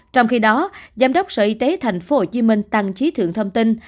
trong khi đó giám đốc sở y tế tp hcm tăng trí thượng thông tin